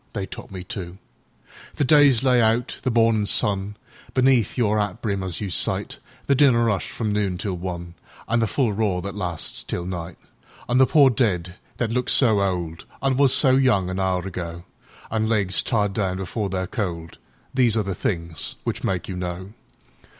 They taught me, too. The day's lay out—the mornin' sunBeneath your 'at brim as you sight; The dinner 'ush from noon till one, An' the full roar that lasts till night; An' the pore dead that look so oldAn' was so young an hour ago, An' legs tied down before they're cold—These are the things which make you know.